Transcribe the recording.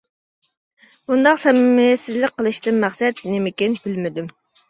بۇنداق سەمىمىيەتسىزلىك قىلىشتىن مەقسەت نېمىكىن بىلىمىدىم.